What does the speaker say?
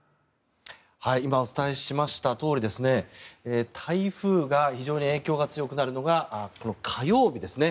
今お伝えしましたとおり台風が非常に影響が強くなるのが火曜日ですね。